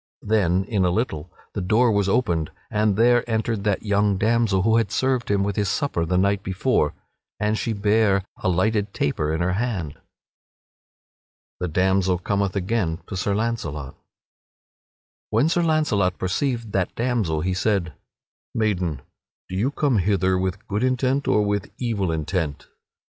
Then, in a little, the door was opened and there entered that young damsel who had served him with his supper the night before, and she bare a lighted taper in her hand. [Sidenote: The damsel cometh again to Sir Launcelot] When Sir Launcelot perceived that damsel he said: "Maiden, do you come hither with good intent or with evil intent?"